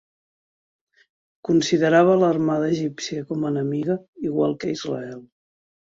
Considerava l'armada egípcia com enemiga igual que Israel.